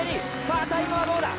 さあタイムはどうだ？